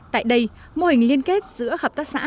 tại đây mô hình liên kết giữa hợp tác xã